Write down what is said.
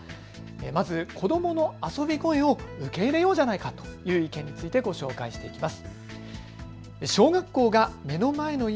まず、子どもの遊び声を受け入れようじゃないかという意見についてご紹介します。